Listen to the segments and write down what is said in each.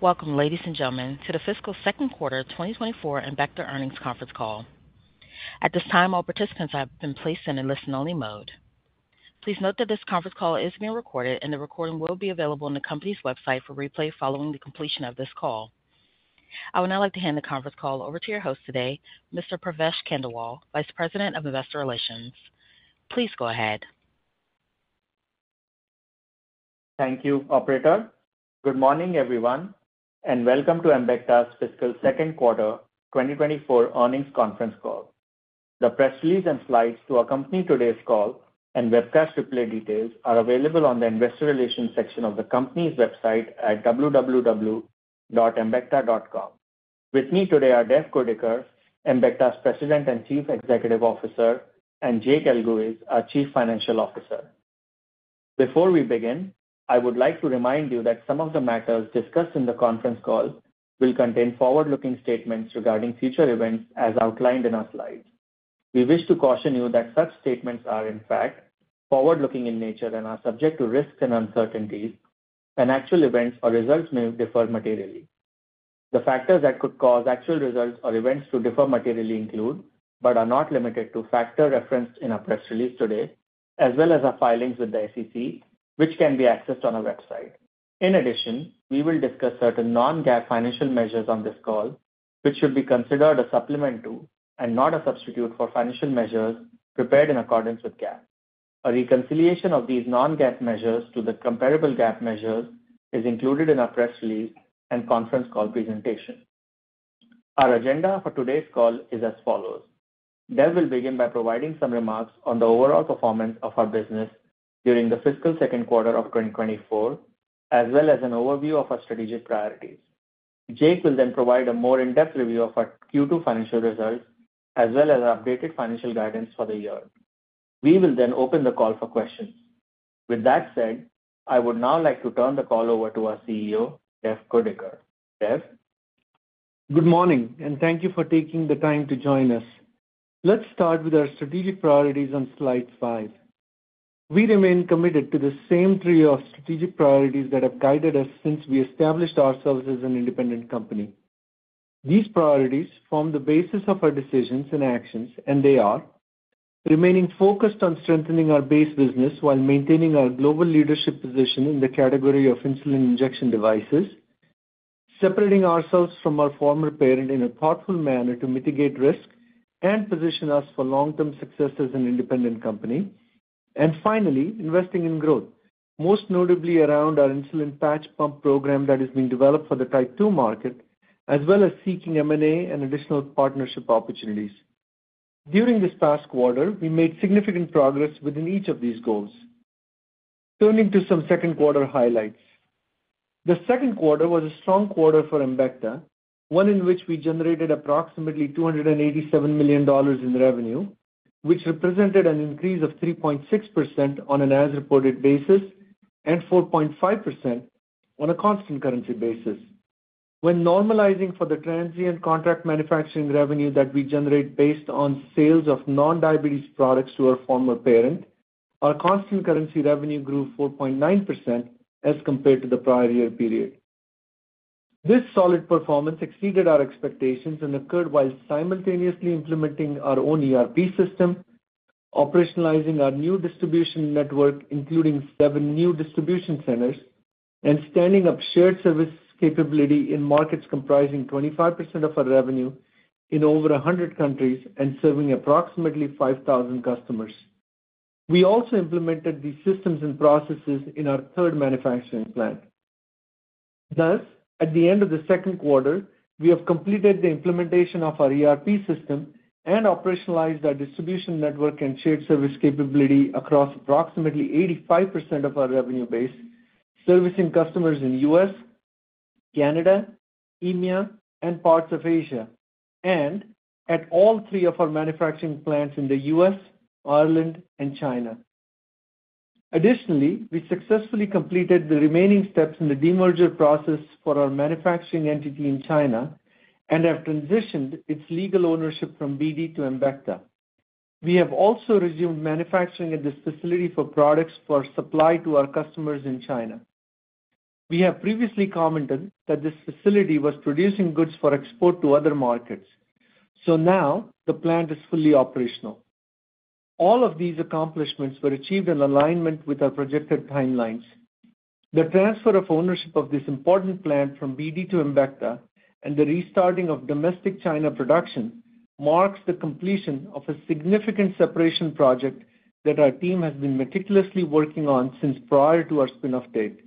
Welcome, ladies and gentlemen, to the fiscal second quarter 2024 Embecta earnings conference call. At this time, all participants have been placed in a listen-only mode. Please note that this conference call is being recorded, and the recording will be available on the company's website for replay following the completion of this call. I would now like to hand the conference call over to your host today, Mr. Pravesh Khandelwal, Vice President of Investor Relations. Please go ahead. Thank you, operator. Good morning, everyone, and welcome to Embecta's fiscal second quarter 2024 earnings conference call. The press release and slides to accompany today's call and webcast replay details are available on the investor relations section of the company's website at www.embecta.com. With me today are Dev Kurdikar, Embecta's President and Chief Executive Officer, and Jake Elguicze, our Chief Financial Officer. Before we begin, I would like to remind you that some of the matters discussed in the conference call will contain forward-looking statements regarding future events, as outlined in our slides. We wish to caution you that such statements are, in fact, forward-looking in nature and are subject to risks and uncertainties, and actual events or results may differ materially. The factors that could cause actual results or events to differ materially include, but are not limited to, factors referenced in our press release today, as well as our filings with the SEC, which can be accessed on our website. In addition, we will discuss certain non-GAAP financial measures on this call, which should be considered a supplement to and not a substitute for financial measures prepared in accordance with GAAP. A reconciliation of these non-GAAP measures to the comparable GAAP measures is included in our press release and conference call presentation. Our agenda for today's call is as follows: Dev will begin by providing some remarks on the overall performance of our business during the fiscal second quarter of 2024, as well as an overview of our strategic priorities. Jake will then provide a more in-depth review of our Q2 financial results, as well as our updated financial guidance for the year. We will then open the call for questions. With that said, I would now like to turn the call over to our CEO, Dev Kurdikar. Dev? Good morning, and thank you for taking the time to join us. Let's start with our strategic priorities on slide five. We remain committed to the same trio of strategic priorities that have guided us since we established ourselves as an independent company. These priorities form the basis of our decisions and actions, and they are remaining focused on strengthening our base business while maintaining our global leadership position in the category of insulin injection devices, separating ourselves from our former parent in a thoughtful manner to mitigate risk and position us for long-term success as an independent company. And finally, investing in growth, most notably around our insulin patch pump program that is being developed for the Type 2 market, as well as seeking M&A and additional partnership opportunities. During this past quarter, we made significant progress within each of these goals. Turning to some second quarter highlights. The second quarter was a strong quarter for Embecta, one in which we generated approximately $287 million in revenue, which represented an increase of 3.6% on an as-reported basis and 4.5% on a constant currency basis. When normalizing for the transient contract manufacturing revenue that we generate based on sales of non-diabetes products to our former parent, our constant currency revenue grew 4.9% as compared to the prior year period. This solid performance exceeded our expectations and occurred while simultaneously implementing our own ERP system, operationalizing our new distribution network, including seven new distribution centers, and standing up shared service capability in markets comprising 25% of our revenue in over 100 countries and serving approximately 5,000 customers. We also implemented these systems and processes in our third manufacturing plant. Thus, at the end of the second quarter, we have completed the implementation of our ERP system and operationalized our distribution network and shared service capability across approximately 85% of our revenue base, servicing customers in U.S., Canada, India, and parts of Asia, and at all three of our manufacturing plants in the U.S., Ireland, and China. Additionally, we successfully completed the remaining steps in the demerger process for our manufacturing entity in China and have transitioned its legal ownership from BD to Embecta. We have also resumed manufacturing at this facility for products for supply to our customers in China. We have previously commented that this facility was producing goods for export to other markets, so now the plant is fully operational. All of these accomplishments were achieved in alignment with our projected timelines. The transfer of ownership of this important plant from BD to Embecta and the restarting of domestic China production marks the completion of a significant separation project that our team has been meticulously working on since prior to our spin-off date.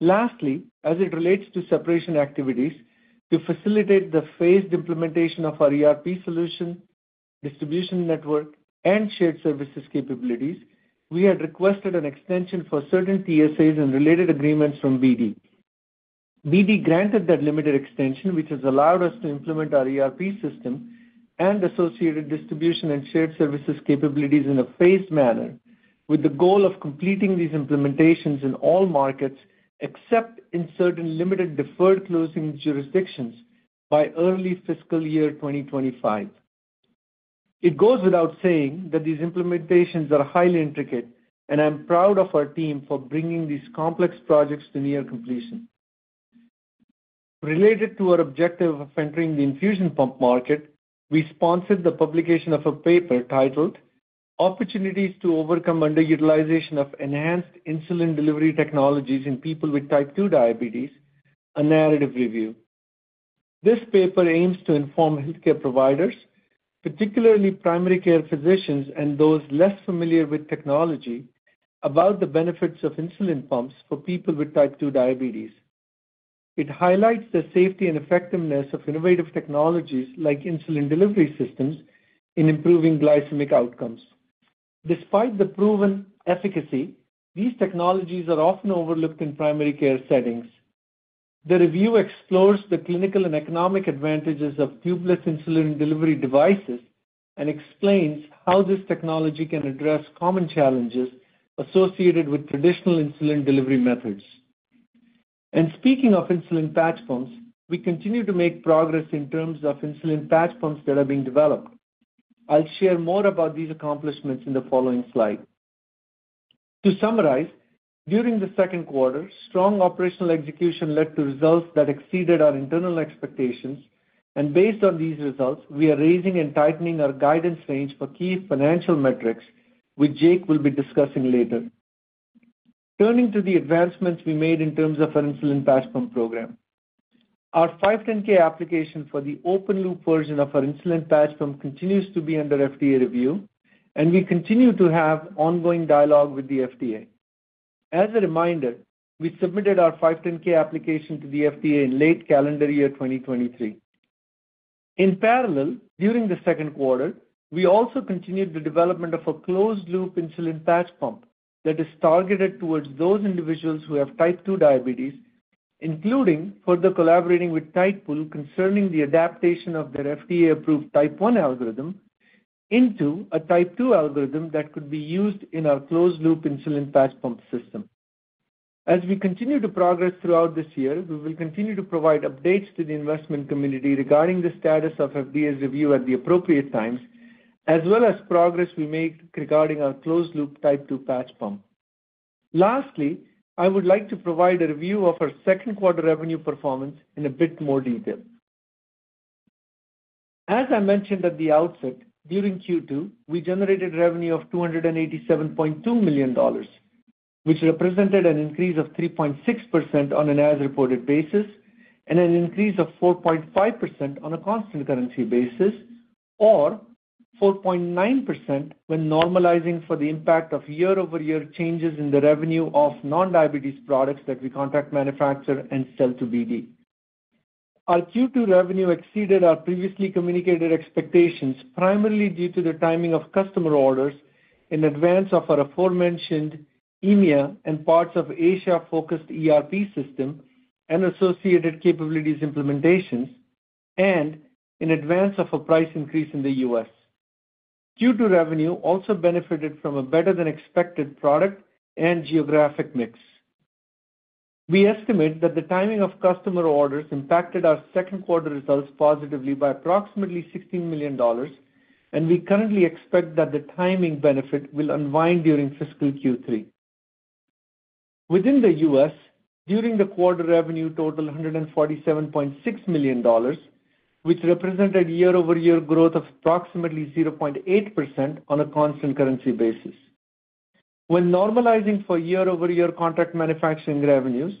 Lastly, as it relates to separation activities, to facilitate the phased implementation of our ERP solution, distribution network, and shared services capabilities, we had requested an extension for certain TSAs and related agreements from BD. BD granted that limited extension, which has allowed us to implement our ERP system and associated distribution and shared services capabilities in a phased manner, with the goal of completing these implementations in all markets, except in certain limited deferred closing jurisdictions, by early fiscal year 2025. It goes without saying that these implementations are highly intricate, and I'm proud of our team for bringing these complex projects to near completion. Related to our objective of entering the infusion pump market, we sponsored the publication of a paper titled: Opportunities to Overcome Underutilization of Enhanced Insulin Delivery Technologies in People with Type 2 Diabetes: A Narrative Review. This paper aims to inform healthcare providers, particularly primary care physicians and those less familiar with technology, about the benefits of insulin pumps for people with Type 2 diabetes. It highlights the safety and effectiveness of innovative technologies, like insulin delivery systems, in improving glycemic outcomes. Despite the proven efficacy, these technologies are often overlooked in primary care settings. The review explores the clinical and economic advantages of tubeless insulin delivery devices and explains how this technology can address common challenges associated with traditional insulin delivery methods. And speaking of insulin patch pumps, we continue to make progress in terms of insulin patch pumps that are being developed. I'll share more about these accomplishments in the following slide. To summarize, during the second quarter, strong operational execution led to results that exceeded our internal expectations, and based on these results, we are raising and tightening our guidance range for key financial metrics, which Jake will be discussing later. Turning to the advancements we made in terms of our insulin patch pump program. Our 510(k) application for the open-loop version of our insulin patch pump continues to be under FDA review, and we continue to have ongoing dialogue with the FDA. As a reminder, we submitted our 510(k) application to the FDA in late calendar year 2023. In parallel, during the second quarter, we also continued the development of a closed-loop insulin patch pump that is targeted towards those individuals who have Type 2 diabetes, including further collaborating with Tidepool concerning the adaptation of their FDA-approved Type 1 algorithm into a Type 2 algorithm that could be used in our closed-loop insulin patch pump system. As we continue to progress throughout this year, we will continue to provide updates to the investment community regarding the status of FDA's review at the appropriate times, as well as progress we make regarding our closed-loop Type 2 patch pump. Lastly, I would like to provide a review of our second quarter revenue performance in a bit more detail. As I mentioned at the outset, during Q2, we generated revenue of $287.2 million, which represented an increase of 3.6% on an as-reported basis and an increase of 4.5% on a constant currency basis, or 4.9% when normalizing for the impact of year-over-year changes in the revenue of non-diabetes products that we contract, manufacture, and sell to BD. Our Q2 revenue exceeded our previously communicated expectations, primarily due to the timing of customer orders in advance of our aforementioned EMEA and parts of Asia-focused ERP system and associated capabilities implementations, and in advance of a price increase in the U.S. Q2 revenue also benefited from a better-than-expected product and geographic mix. We estimate that the timing of customer orders impacted our second quarter results positively by approximately $16 million, and we currently expect that the timing benefit will unwind during fiscal Q3. Within the U.S., during the quarter revenue totaled $147.6 million, which represented year-over-year growth of approximately 0.8% on a constant currency basis. When normalizing for year-over-year contract manufacturing revenues,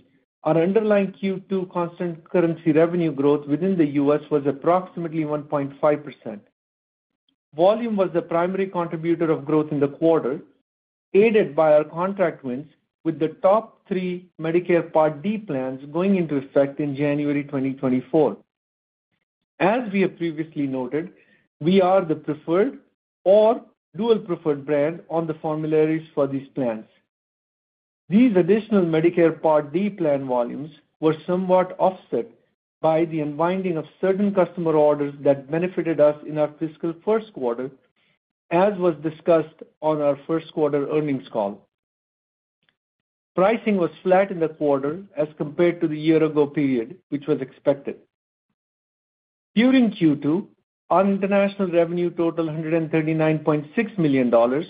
our underlying Q2 constant currency revenue growth within the U.S. was approximately 1.5%. Volume was the primary contributor of growth in the quarter, aided by our contract wins, with the top three Medicare Part D plans going into effect in January 2024. As we have previously noted, we are the preferred or dual preferred brand on the formularies for these plans. These additional Medicare Part D plan volumes were somewhat offset by the unwinding of certain customer orders that benefited us in our fiscal first quarter, as was discussed on our first quarter earnings call. Pricing was flat in the quarter as compared to the year ago period, which was expected. During Q2, our international revenue totaled $139.6 million,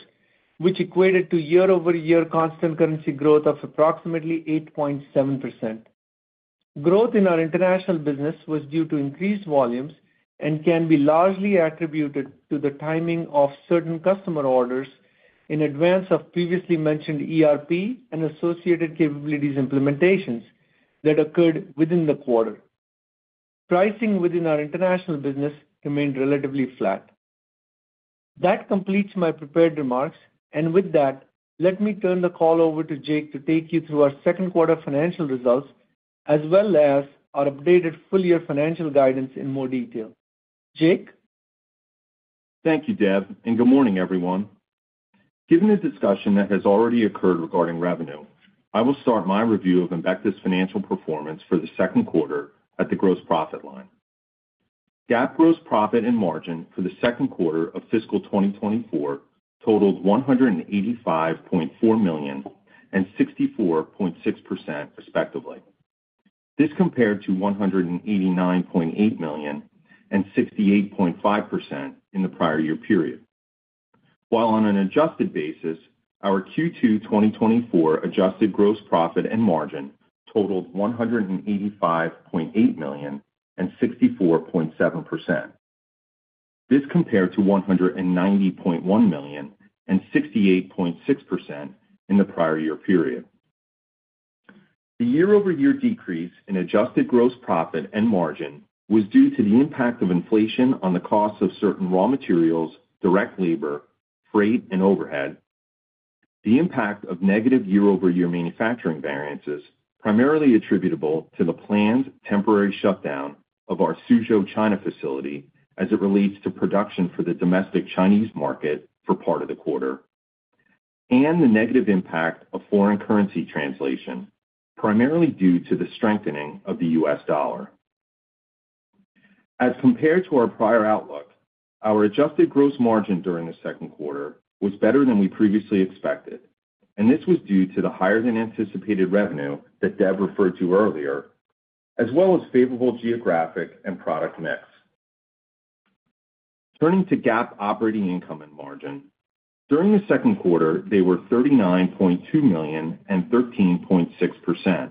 which equated to year-over-year constant currency growth of approximately 8.7%. Growth in our international business was due to increased volumes and can be largely attributed to the timing of certain customer orders in advance of previously mentioned ERP and associated capabilities implementations that occurred within the quarter. Pricing within our international business remained relatively flat. That completes my prepared remarks, and with that, let me turn the call over to Jake to take you through our second quarter financial results, as well as our updated full-year financial guidance in more detail. Jake? Thank you, Dev, and good morning, everyone. Given the discussion that has already occurred regarding revenue, I will start my review of Embecta's financial performance for the second quarter at the gross profit line. GAAP gross profit and margin for the second quarter of fiscal 2024 totaled $185.4 million and 64.6%, respectively. This compared to $189.8 million and 68.5% in the prior year period. While on an adjusted basis, our Q2 2024 adjusted gross profit and margin totaled $185.8 million and 64.7%. This compared to $190.1 million and 68.6% in the prior year period. The year-over-year decrease in adjusted gross profit and margin was due to the impact of inflation on the cost of certain raw materials, direct labor, freight, and overhead, the impact of negative year-over-year manufacturing variances, primarily attributable to the planned temporary shutdown of our Suzhou, China facility, as it relates to production for the domestic Chinese market for part of the quarter, and the negative impact of foreign currency translation, primarily due to the strengthening of the U.S. dollar. As compared to our prior outlook, our adjusted gross margin during the second quarter was better than we previously expected, and this was due to the higher than anticipated revenue that Dev referred to earlier, as well as favorable geographic and product mix. Turning to GAAP operating income and margin. During the second quarter, they were $39.2 million and 13.6%.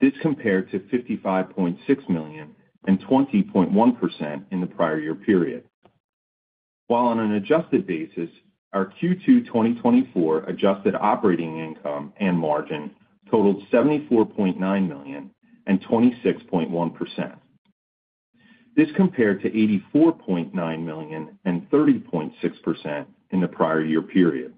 This compared to $55.6 million and 20.1% in the prior year period. While on an adjusted basis, our Q2 2024 adjusted operating income and margin totaled $74.9 million and 26.1%. This compared to $84.9 million and 30.6% in the prior year period.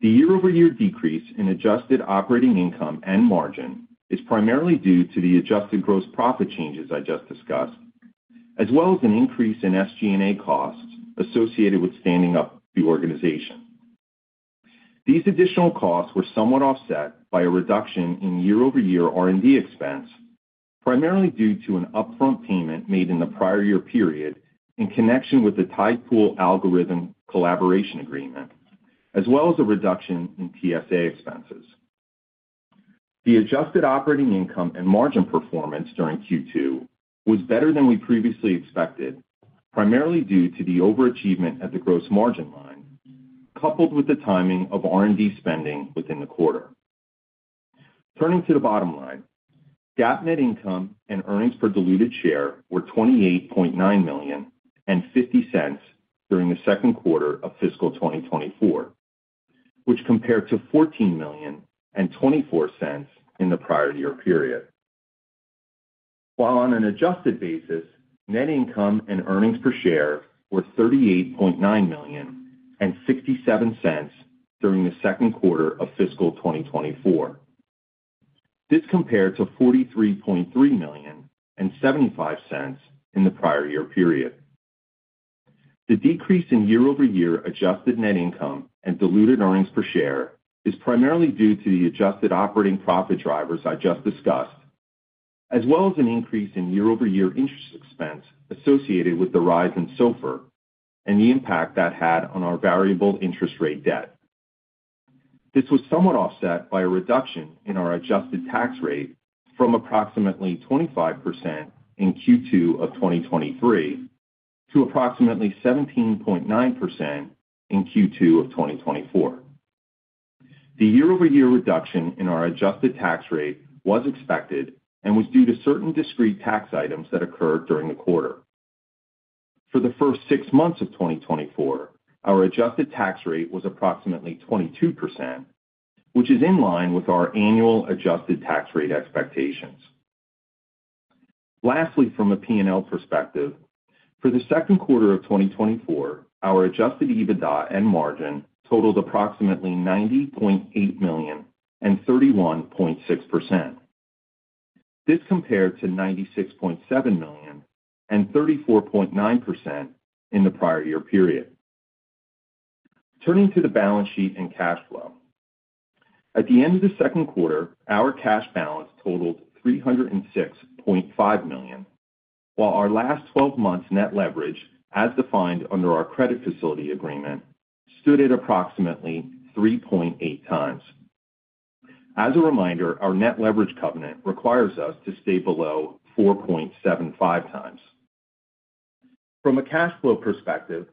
The year-over-year decrease in adjusted operating income and margin is primarily due to the adjusted gross profit changes I just discussed, as well as an increase in SG&A costs associated with standing up the organization. These additional costs were somewhat offset by a reduction in year-over-year R&D expense, primarily due to an upfront payment made in the prior year period in connection with the Tidepool algorithm collaboration agreement, as well as a reduction in TSA expenses. The adjusted operating income and margin performance during Q2 was better than we previously expected, primarily due to the overachievement at the gross margin line, coupled with the timing of R&D spending within the quarter. Turning to the bottom line, GAAP net income and earnings per diluted share were $28.9 million and $0.50 during the second quarter of fiscal 2024, which compared to $14 million and $0.24 in the prior year period. While on an adjusted basis, net income and earnings per share were $38.9 million and $0.67 during the second quarter of fiscal 2024. This compared to $43.3 million and $0.75 in the prior year period. The decrease in year-over-year adjusted net income and diluted earnings per share is primarily due to the adjusted operating profit drivers I just discussed, as well as an increase in year-over-year interest expense associated with the rise in SOFR and the impact that had on our variable interest rate debt. This was somewhat offset by a reduction in our adjusted tax rate from approximately 25% in Q2 of 2023 to approximately 17.9% in Q2 of 2024. The year-over-year reduction in our adjusted tax rate was expected and was due to certain discrete tax items that occurred during the quarter. For the first six months of 2024, our adjusted tax rate was approximately 22%, which is in line with our annual adjusted tax rate expectations. Lastly, from a P&L perspective, for the second quarter of 2024, our adjusted EBITDA and margin totaled approximately $90.8 million and 31.6%. This compared to $96.7 million and 34.9% in the prior year period. Turning to the balance sheet and cash flow. At the end of the second quarter, our cash balance totaled $306.5 million, while our last twelve months net leverage, as defined under our credit facility agreement, stood at approximately 3.8x. As a reminder, our net leverage covenant requires us to stay below 4.75x. From a cash flow perspective,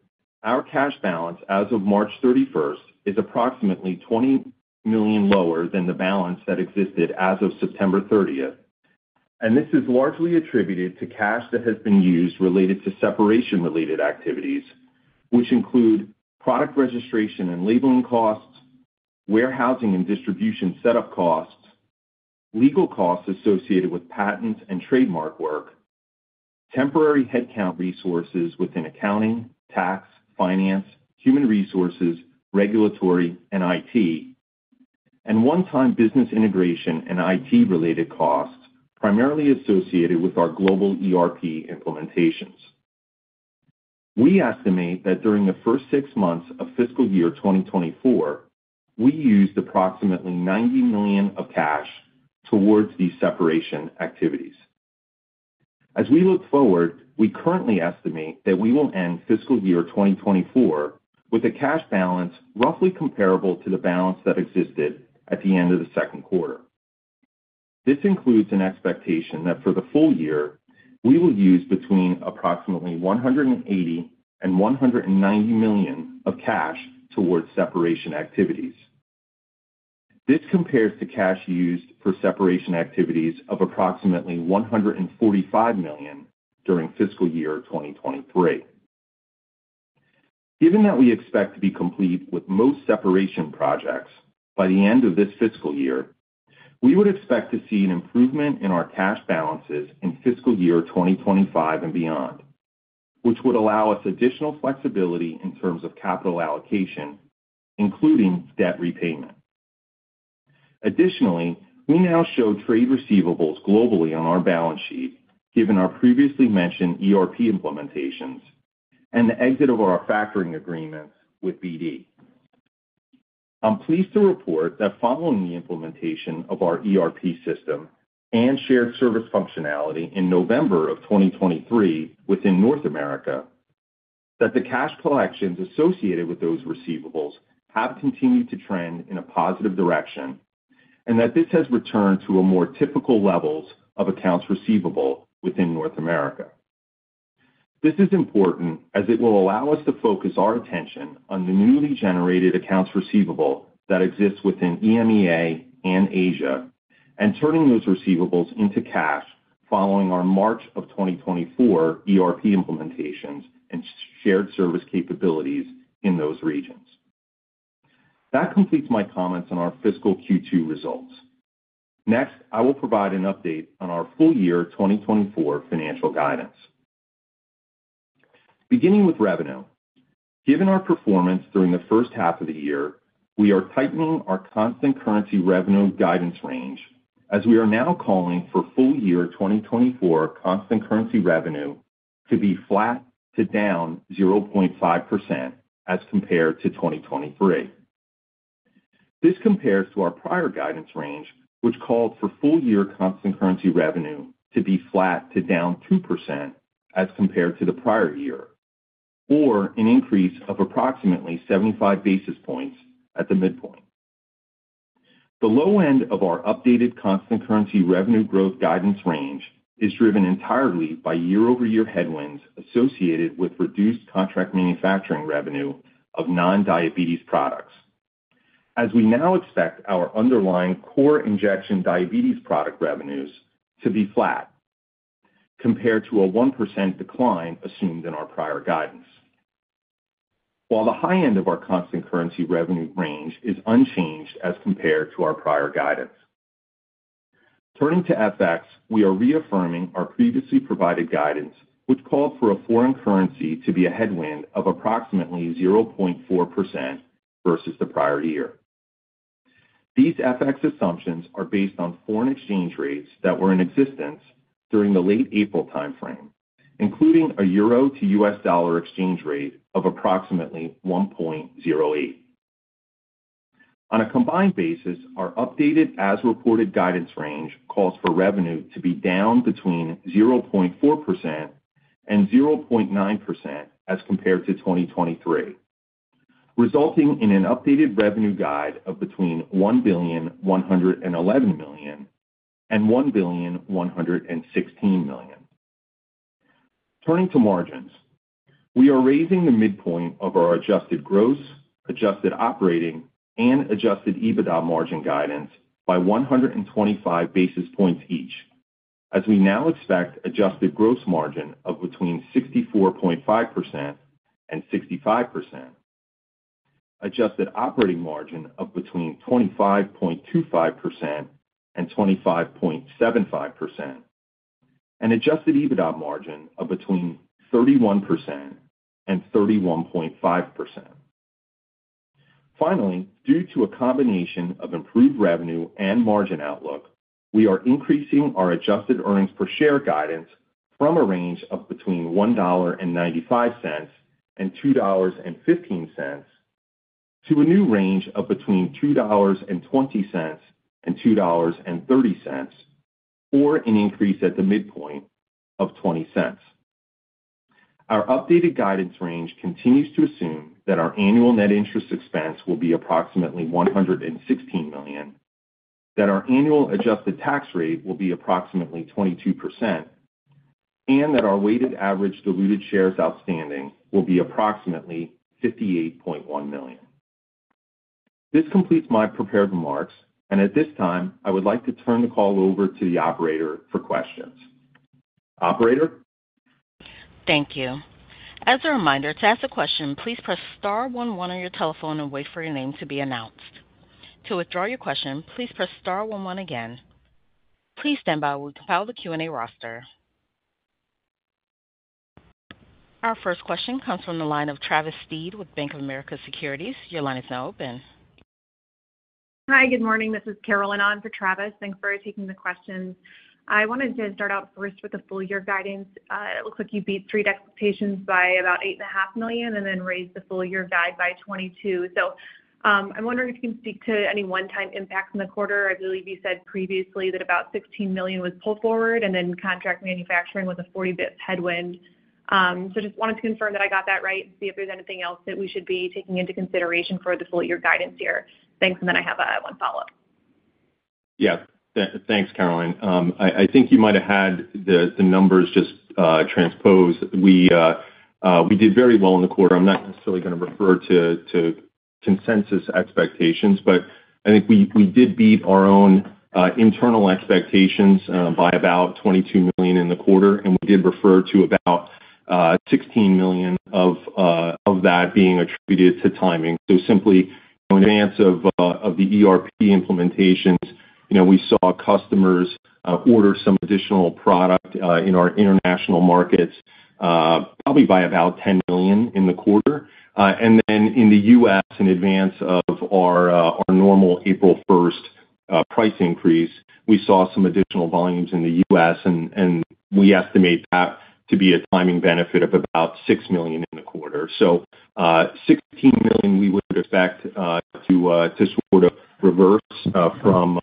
our cash balance as of March 31st is approximately $20 million lower than the balance that existed as of September 30th, and this is largely attributed to cash that has been used related to separation-related activities, which include product registration and labeling costs, warehousing and distribution setup costs, legal costs associated with patent and trademark work, temporary headcount resources within accounting, tax, finance, human resources, regulatory, and IT, and one-time business integration and IT-related costs, primarily associated with our global ERP implementations. We estimate that during the first six months of fiscal year 2024, we used approximately $90 million of cash towards these separation activities. As we look forward, we currently estimate that we will end fiscal year 2024 with a cash balance roughly comparable to the balance that existed at the end of the second quarter. This includes an expectation that for the full year, we will use between approximately $180 million and $190 million of cash towards separation activities. This compares to cash used for separation activities of approximately $145 million during fiscal year 2023. Given that we expect to be complete with most separation projects by the end of this fiscal year, we would expect to see an improvement in our cash balances in fiscal year 2025 and beyond, which would allow us additional flexibility in terms of capital allocation, including debt repayment. Additionally, we now show trade receivables globally on our balance sheet, given our previously mentioned ERP implementations and the exit of our factoring agreements with BD. I'm pleased to report that following the implementation of our ERP system and shared service functionality in November 2023 within North America, that the cash collections associated with those receivables have continued to trend in a positive direction, and that this has returned to a more typical levels of accounts receivable within North America. This is important as it will allow us to focus our attention on the newly generated accounts receivable that exists within EMEA and Asia, and turning those receivables into cash following our March 2024 ERP implementations and shared service capabilities in those regions. That completes my comments on our fiscal Q2 results. Next, I will provide an update on our full year 2024 financial guidance. Beginning with revenue, given our performance during the first half of the year, we are tightening our constant currency revenue guidance range, as we are now calling for full-year 2024 constant currency revenue to be flat to down 0.5% as compared to 2023. This compares to our prior guidance range, which called for full-year constant currency revenue to be flat to down 2% as compared to the prior year, or an increase of approximately 75 basis points at the midpoint. The low end of our updated constant currency revenue growth guidance range is driven entirely by year-over-year headwinds associated with reduced contract manufacturing revenue of non-diabetes products, as we now expect our underlying core injection diabetes product revenues to be flat compared to a 1% decline assumed in our prior guidance. While the high end of our constant currency revenue range is unchanged as compared to our prior guidance. Turning to FX, we are reaffirming our previously provided guidance, which called for a foreign currency to be a headwind of approximately 0.4% versus the prior year. These FX assumptions are based on foreign exchange rates that were in existence during the late April time frame, including a euro to U.S. dollar exchange rate of approximately 1.08. On a combined basis, our updated as-reported guidance range calls for revenue to be down between 0.4% and 0.9% as compared to 2023, resulting in an updated revenue guide of between $1.111 billion and $1.116 billion. Turning to margins, we are raising the midpoint of our adjusted gross, adjusted operating, and adjusted EBITDA margin guidance by 125 basis points each, as we now expect adjusted gross margin of between 64.5% and 65%, adjusted operating margin of between 25.25% and 25.75%, and adjusted EBITDA margin of between 31% and 31.5%. Finally, due to a combination of improved revenue and margin outlook, we are increasing our adjusted earnings per share guidance from a range of between $1.95 and $2.15 to a new range of between $2.20 and $2.30, or an increase at the midpoint of $0.20. Our updated guidance range continues to assume that our annual net interest expense will be approximately $116 million, that our annual adjusted tax rate will be approximately 22%, and that our weighted average diluted shares outstanding will be approximately 58.1 million. This completes my prepared remarks, and at this time, I would like to turn the call over to the operator for questions. Operator? Thank you. As a reminder, to ask a question, please press star one one on your telephone and wait for your name to be announced. To withdraw your question, please press star one one again. Please stand by while we compile the Q&A roster. Our first question comes from the line of Travis Steed with Bank of America Securities. Your line is now open. Hi, good morning. This is Caroline on for Travis. Thanks for taking the questions. I wanted to start out first with the full year guidance. It looks like you beat Street expectations by about $8.5 million and then raised the full year guide by $22 million. So, I'm wondering if you can speak to any one-time impacts in the quarter. I believe you said previously that about $16 million was pulled forward and then contract manufacturing was a 40 bps headwind. So just wanted to confirm that I got that right, and see if there's anything else that we should be taking into consideration for the full year guidance here. Thanks, and then I have one follow-up. Yeah. Thanks, Carolyn. I think you might have had the numbers just transposed. We did very well in the quarter. I'm not necessarily gonna refer to consensus expectations, but I think we did beat our own internal expectations by about $22 million in the quarter, and we did refer to about $16 million of that being attributed to timing. So simply, in advance of the ERP implementations, you know, we saw customers order some additional product in our international markets probably by about $10 million in the quarter. And then in the U.S., in advance of our normal April 1st price increase, we saw some additional volumes in the U.S., and we estimate that to be a timing benefit of about $6 million in the quarter. So, $16 million, we would expect to sort of reverse from,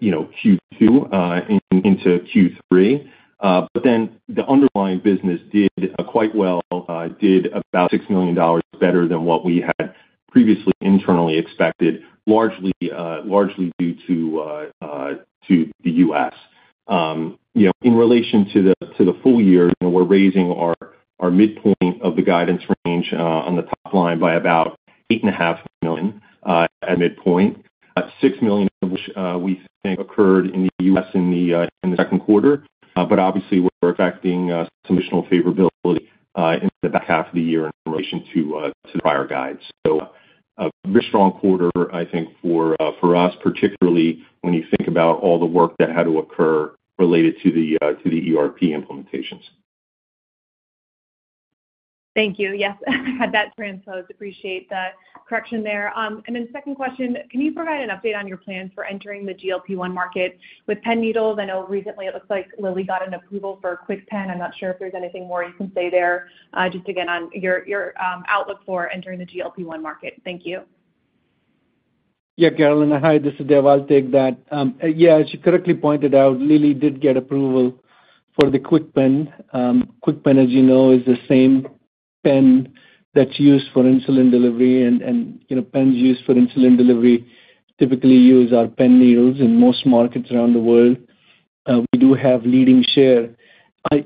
you know, Q2 into Q3. But then the underlying business did quite well, did about $6 million better than what we had previously internally expected, largely due to the U.S. You know, in relation to the full year, you know, we're raising our midpoint of the guidance range on the top line by about $8.5 million, at midpoint, $6 million of which we think occurred in the U.S. in the second quarter. But obviously, we're affecting some additional favorability in the back half of the year in relation to the prior guide. A very strong quarter, I think, for us, particularly when you think about all the work that had to occur related to the ERP implementations. Thank you. Yes, I had that transposed. Appreciate the correction there. And then second question, can you provide an update on your plans for entering the GLP-1 market with pen needles? I know recently it looks like Lilly got an approval for a KwikPen. I'm not sure if there's anything more you can say there. Just again, on your outlook for entering the GLP-1 market. Thank you. Yeah, Caroline. Hi, this is Dev. I'll take that. Yeah, as you correctly pointed out, Lilly did get approval for the KwikPen. KwikPen, as you know, is the same pen that's used for insulin delivery and, and, you know, pens used for insulin delivery typically use our pen needles in most markets around the world. We do have leading share.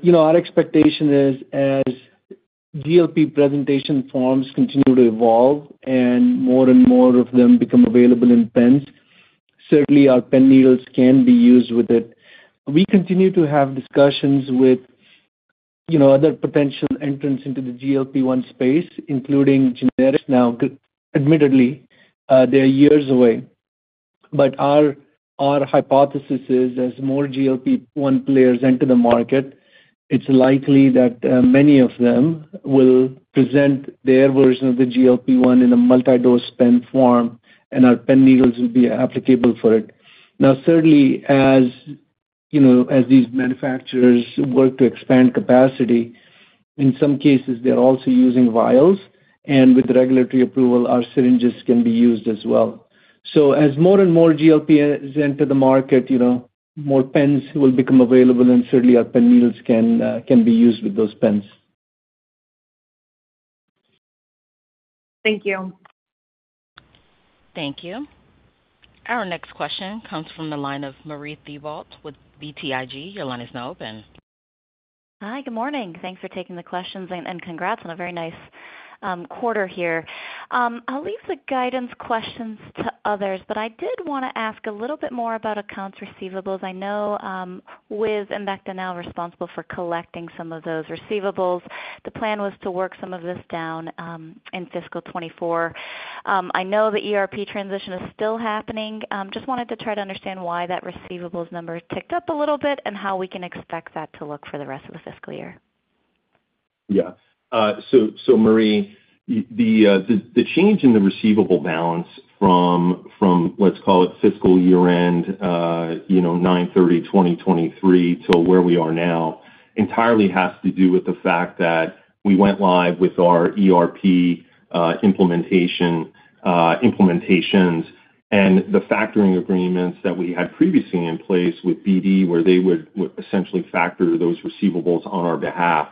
You know, our expectation is as GLP-1 presentation forms continue to evolve and more and more of them become available in pens, certainly our pen needles can be used with it. We continue to have discussions with, you know, other potential entrants into the GLP-1 space, including generics now. Admittedly, they are years away, but our hypothesis is as more GLP-1 players enter the market, it's likely that many of them will present their version of the GLP-1 in a multi-dose pen form, and our pen needles will be applicable for it. Now, certainly, as you know, as these manufacturers work to expand capacity, in some cases, they're also using vials, and with regulatory approval, our syringes can be used as well. So as more and more GLPs enter the market, you know, more pens will become available, and certainly our pen needles can be used with those pens. Thank you. Thank you. Our next question comes from the line of Marie Thibault with BTIG. Your line is now open. Hi, good morning. Thanks for taking the questions, and congrats on a very nice quarter here. I'll leave the guidance questions to others, but I did wanna ask a little bit more about accounts receivables. I know, with Embecta now responsible for collecting some of those receivables, the plan was to work some of this down in fiscal 2024. I know the ERP transition is still happening. Just wanted to try to understand why that receivables number ticked up a little bit, and how we can expect that to look for the rest of the fiscal year. Yeah. So, Marie, the change in the receivable balance from, let's call it, fiscal year-end, you know, 9/30/2023 to where we are now, entirely has to do with the fact that we went live with our ERP implementation, implementations, and the factoring agreements that we had previously in place with BD, where they would essentially factor those receivables on our behalf,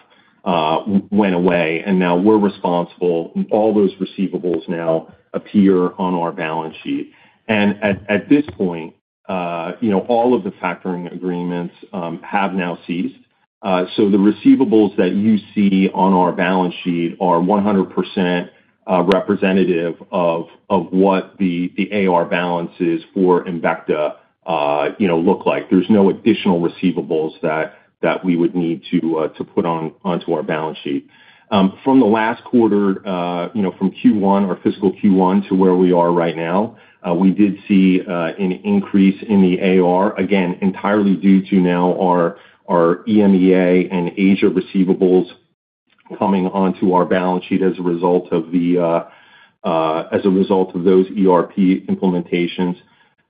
went away, and now we're responsible. All those receivables now appear on our balance sheet. And at this point, you know, all of the factoring agreements have now ceased. So the receivables that you see on our balance sheet are 100%, representative of what the AR balances for Embecta, you know, look like. There's no additional receivables that we would need to put onto our balance sheet. From the last quarter, you know, from Q1 or fiscal Q1 to where we are right now, we did see an increase in the AR, again, entirely due to now our EMEA and Asia receivables coming onto our balance sheet as a result of those ERP implementations.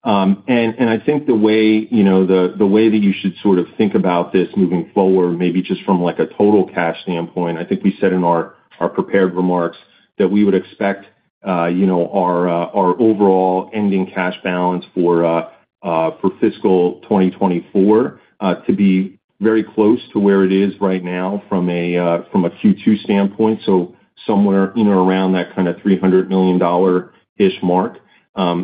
And I think the way, you know, the way that you should sort of think about this moving forward, maybe just from, like, a total cash standpoint, I think we said in our prepared remarks that we would expect, you know, our overall ending cash balance for— For fiscal 2024, to be very close to where it is right now from a Q2 standpoint, so somewhere in or around that kind of $300 million-ish mark.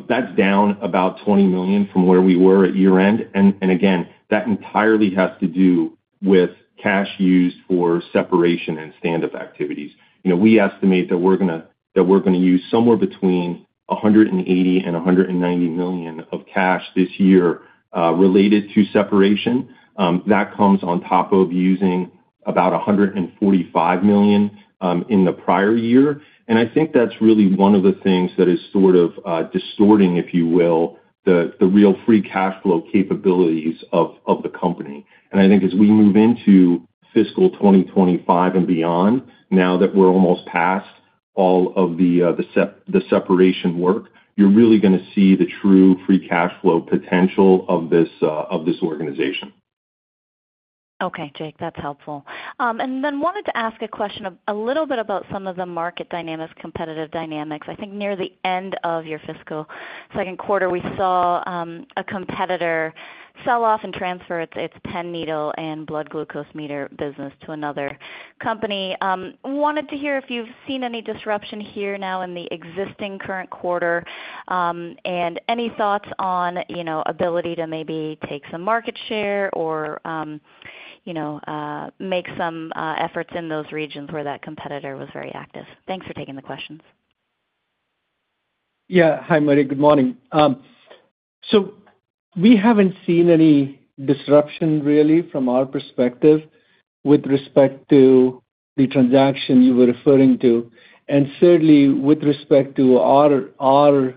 That's down about $20 million from where we were at year-end. And again, that entirely has to do with cash used for separation and standup activities. You know, we estimate that we're gonna use somewhere between $180 million and $190 million of cash this year related to separation. That comes on top of using about $145 million in the prior year. And I think that's really one of the things that is sort of distorting, if you will, the real free cash flow capabilities of the company. I think as we move into fiscal 2025 and beyond, now that we're almost past all of the separation work, you're really gonna see the true free cash flow potential of this organization. Okay, Jake, that's helpful. And then wanted to ask a question a little bit about some of the market dynamics, competitive dynamics. I think near the end of your fiscal second quarter, we saw a competitor sell off and transfer its pen needle and blood glucose meter business to another company. Wanted to hear if you've seen any disruption here now in the existing current quarter, and any thoughts on, you know, ability to maybe take some market share or, you know, make some efforts in those regions where that competitor was very active? Thanks for taking the questions. Yeah. Hi, Marie. Good morning. So we haven't seen any disruption really from our perspective with respect to the transaction you were referring to. And certainly, with respect to our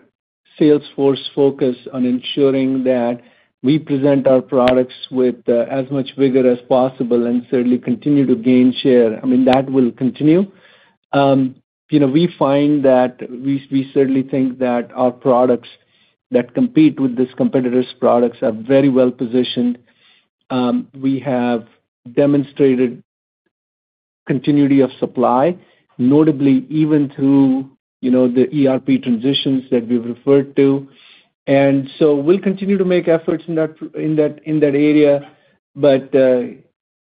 sales force focus on ensuring that we present our products with as much vigor as possible and certainly continue to gain share, I mean, that will continue. You know, we find that we certainly think that our products that compete with this competitor's products are very well positioned. We have demonstrated continuity of supply, notably even through, you know, the ERP transitions that we've referred to. And so we'll continue to make efforts in that area, but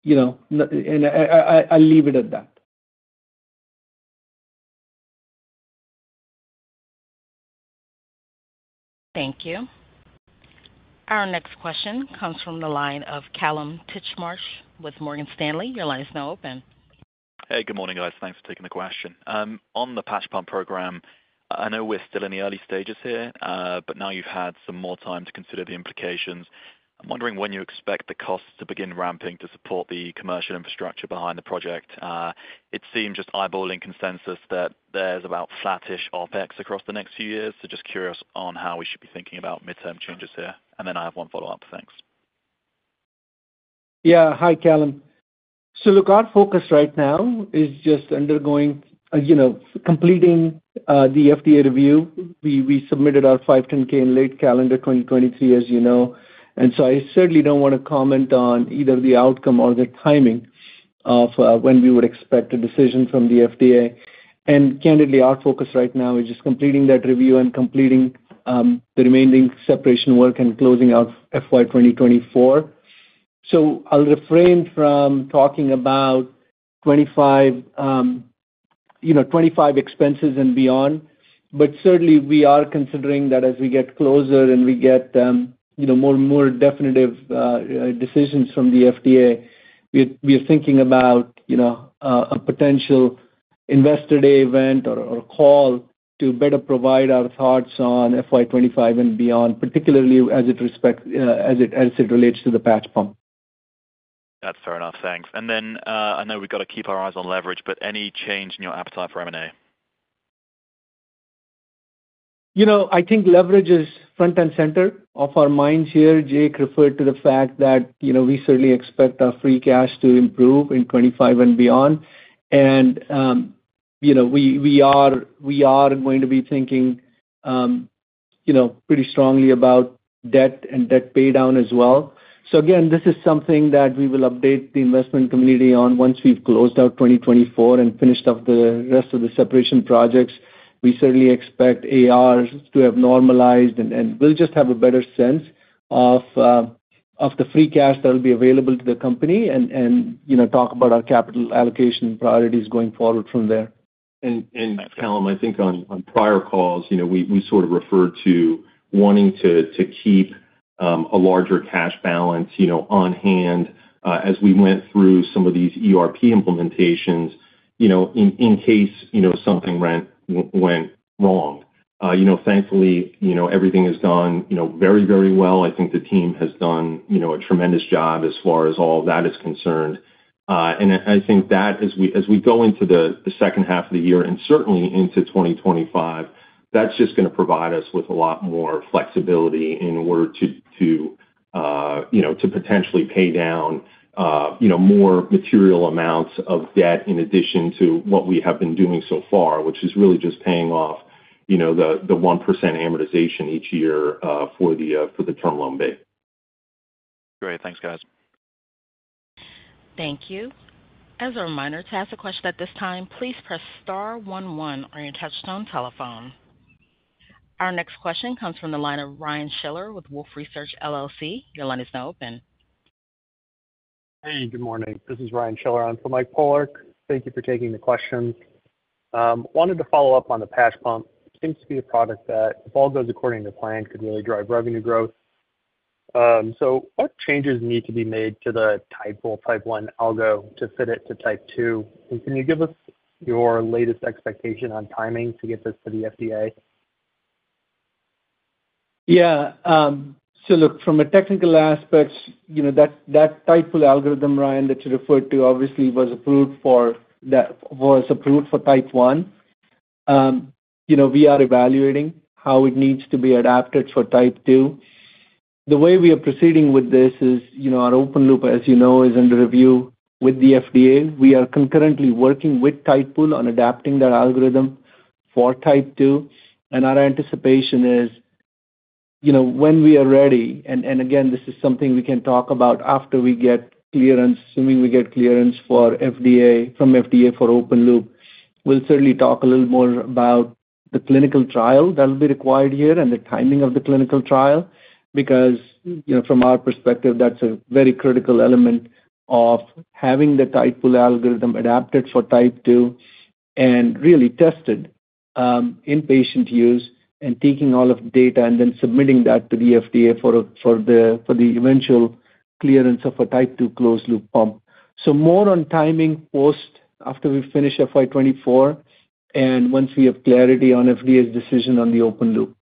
you know, and I leave it at that. Thank you. Our next question comes from the line of Kallum Titchmarsh with Morgan Stanley. Your line is now open. Hey, good morning, guys. Thanks for taking the question. On the patch pump program, I know we're still in the early stages here, but now you've had some more time to consider the implications. I'm wondering when you expect the costs to begin ramping to support the commercial infrastructure behind the project. It seemed just eyeballing consensus that there's about flattish OpEx across the next few years. So just curious on how we should be thinking about midterm changes here. And then I have one follow-up. Thanks. Yeah. Hi, Kallum. So look, our focus right now is just undergoing, you know, completing, the FDA review. We, we submitted our 510(k) in late calendar 2023, as you know, and so I certainly don't wanna comment on either the outcome or the timing of, when we would expect a decision from the FDA. And candidly, our focus right now is just completing that review and completing, the remaining separation work and closing out FY 2024. So I'll refrain from talking about 2025, you know, 2025 expenses and beyond, but certainly we are considering that as we get closer and we get, you know, more and more definitive decisions from the FDA, we, we are thinking about, you know, a potential Investor Day event or, or call to better provide our thoughts on FY 2025 and beyond, particularly as it respect- as it, as it relates to the patch pump. That's fair enough. Thanks. And then, I know we've got to keep our eyes on leverage, but any change in your appetite for M&A? You know, I think leverage is front and center of our minds here. Jake referred to the fact that, you know, we certainly expect our free cash to improve in 2025 and beyond. And, you know, we, we are, we are going to be thinking, you know, pretty strongly about debt and debt paydown as well. So again, this is something that we will update the investment community on once we've closed out 2024 and finished up the rest of the separation projects. We certainly expect AR to have normalized, and, and we'll just have a better sense of, of the free cash that will be available to the company and, and, you know, talk about our capital allocation priorities going forward from there. And Kallum, I think on prior calls, you know, we sort of referred to wanting to keep a larger cash balance, you know, on hand, as we went through some of these ERP implementations, you know, in case, you know, something went wrong. You know, thankfully, you know, everything has gone very, very well. I think the team has done a tremendous job as far as all that is concerned. And I think that as we go into the second half of the year, and certainly into 2025, that's just gonna provide us with a lot more flexibility in order to, you know, to potentially pay down, you know, more material amounts of debt in addition to what we have been doing so far, which is really just paying off, you know, the 1% amortization each year, for the Term Loan B. Great. Thanks, guys. Thank you. As a reminder, to ask a question at this time, please press star one one on your touchtone telephone. Our next question comes from the line of Ryan Schiller with Wolfe Research LLC. Your line is now open. Hey, good morning. This is Ryan Schiller in for Mike Polark. Thank you for taking the question. Wanted to follow up on the patch pump. Seems to be a product that, if all goes according to plan, could really drive revenue growth. So what changes need to be made to the Tidepool Type 1 algo to fit it to Type 2? And can you give us your latest expectation on timing to get this to the FDA? Yeah, so look, from a technical aspect, you know, that Tidepool algorithm, Ryan, that you referred to, obviously, was approved for that—was approved for Type 1. You know, we are evaluating how it needs to be adapted for Type 2. The way we are proceeding with this is, you know, our open-loop, as you know, is under review with the FDA. We are concurrently working with Tidepool on adapting their algorithm for Type 2, and our anticipation is, you know, when we are ready, and again, this is something we can talk about after we get clearance, assuming we get clearance from FDA for open-loop, we'll certainly talk a little more about the clinical trial that will be required here and the timing of the clinical trial, because, you know, from our perspective, that's a very critical element of having the Tidepool algorithm adapted for Type 2 and really tested in patient use and taking all of the data and then submitting that to the FDA for the eventual clearance of a Type 2 closed-loop pump. So more on timing post after we finish FY 2024 and once we have clarity on FDA's decision on the open-loop.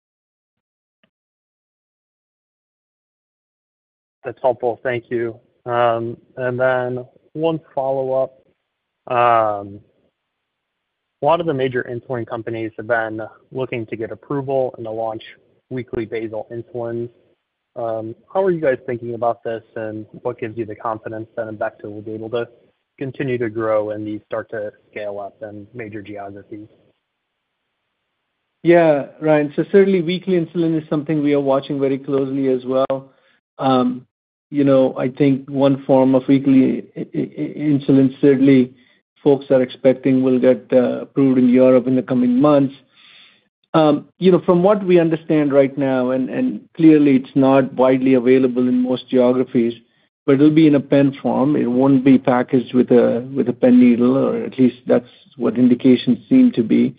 That's helpful. Thank you. Then one follow-up. A lot of the major insulin companies have been looking to get approval and to launch weekly basal insulin. How are you guys thinking about this, and what gives you the confidence that Embecta will be able to continue to grow and you start to scale up in major geographies? Yeah, Ryan, so certainly weekly insulin is something we are watching very closely as well. You know, I think one form of weekly insulin, certainly, folks are expecting will get approved in Europe in the coming months. You know, from what we understand right now, and clearly it's not widely available in most geographies, but it'll be in a pen form. It won't be packaged with a pen needle, or at least that's what indications seem to be.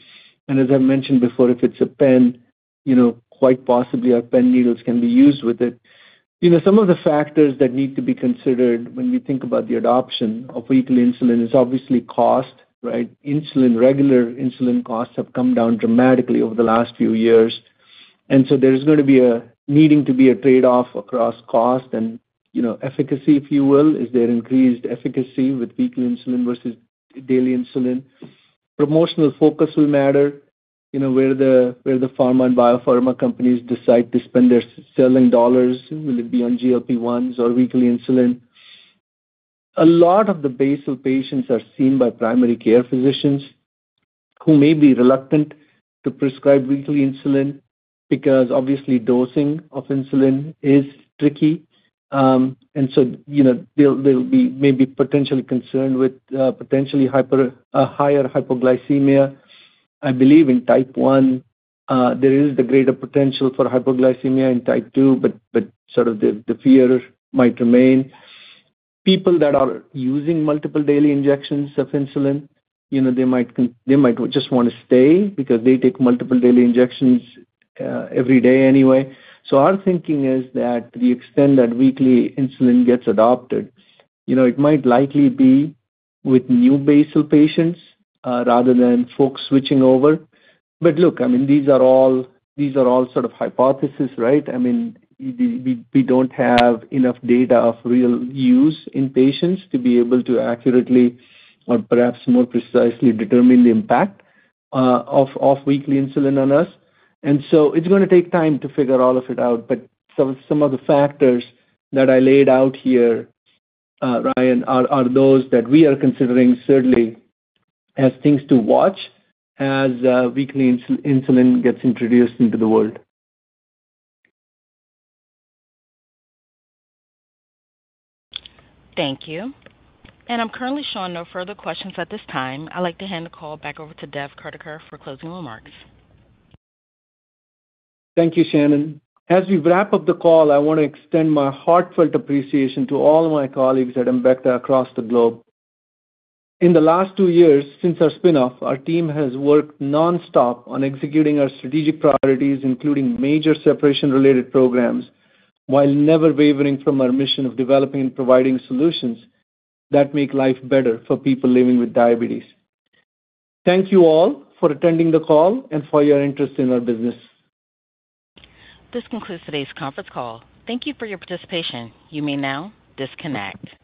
And as I mentioned before, if it's a pen, you know, quite possibly our pen needles can be used with it. You know, some of the factors that need to be considered when we think about the adoption of weekly insulin is obviously cost, right? Insulin, regular insulin costs have come down dramatically over the last few years, and so there is going to be a needing to be a trade-off across cost and, you know, efficacy, if you will. Is there increased efficacy with weekly insulin versus daily insulin? Promotional focus will matter, you know, where the pharma and biopharma companies decide to spend their selling dollars. Will it be on GLP-1s or weekly insulin? A lot of the basal patients are seen by primary care physicians, who may be reluctant to prescribe weekly insulin because obviously dosing of insulin is tricky. And so, you know, they'll be maybe potentially concerned with potentially higher hypoglycemia. I believe in Type 1 there is the greater potential for hypoglycemia in Type 2, but sort of the fear might remain. People that are using multiple daily injections of insulin, you know, they might just wanna stay because they take multiple daily injections every day anyway. So our thinking is that the extent that weekly insulin gets adopted, you know, it might likely be with new basal patients rather than folks switching over. But look, I mean, these are all sort of hypothesis, right? I mean, we don't have enough data of real use in patients to be able to accurately or perhaps more precisely determine the impact of weekly insulin on us. And so it's gonna take time to figure all of it out. But some of the factors that I laid out here, Ryan, are those that we are considering certainly as things to watch as weekly insulin gets introduced into the world. Thank you. I'm currently showing no further questions at this time. I'd like to hand the call back over to Dev Kurdikar for closing remarks. Thank you, Shannon. As we wrap up the call, I want to extend my heartfelt appreciation to all my colleagues at Embecta across the globe. In the last two years, since our spin-off, our team has worked nonstop on executing our strategic priorities, including major separation-related programs, while never wavering from our mission of developing and providing solutions that make life better for people living with diabetes. Thank you all for attending the call and for your interest in our business. This concludes today's conference call. Thank you for your participation. You may now disconnect.